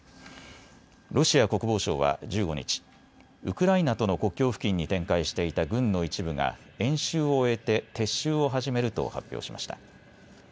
ロシア国防省は１５日、ウクライナとの国境付近に展開していた軍の一部が演習を終えて撤収を始めると発表しました。